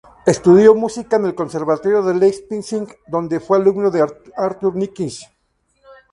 Estudió música en el conservatorio de Leipzig, donde fue alumno de Arthur Nikisch.